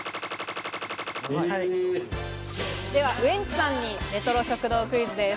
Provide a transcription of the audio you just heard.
ではウエンツさんにレトロ食堂クイズです。